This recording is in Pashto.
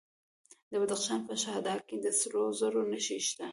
د بدخشان په شهدا کې د سرو زرو نښې شته.